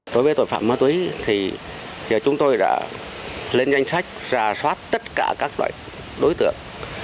đối với tội phạm ma túy thì giờ chúng tôi đã lên danh sách ra soát tất cả các loại đối tượng